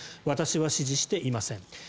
私は支持していません。